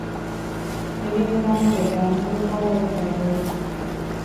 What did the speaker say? د نیم پاڼې د دانو لپاره وکاروئ